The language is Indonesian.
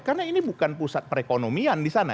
karena ini bukan pusat perekonomian di sana